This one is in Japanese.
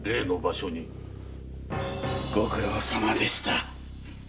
ご苦労さまでした。